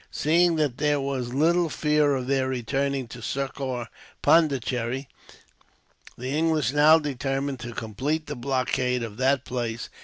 Seeing that there was little fear of their returning to succour Pondicherry, the English now determined to complete the blockade of that place.